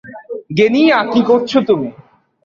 Guinea, কী করেছো তুমি?